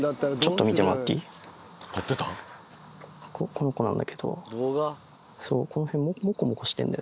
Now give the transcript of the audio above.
この子なんだけど。